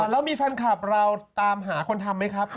แล้วมีแฟนคลับเราตามหาคนทำไหมครับ